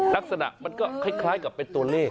ลักษณะมันก็คล้ายกับเป็นตัวเลข